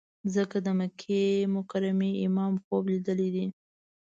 ځکه د مکې مکرمې امام خوب لیدلی دی.